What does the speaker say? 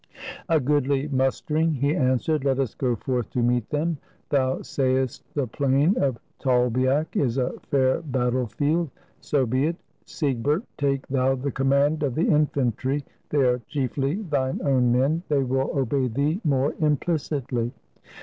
"A goodly mustering," he answered; " let us go forth to meet them. Thou sayest the plain of Tolbiac is a fair battle field. So be it. Siegbert, take thou the command of the infantry, they are chiefly thine own men; they will obey thee more implicitly.